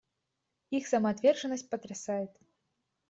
Их самоотверженность потрясает.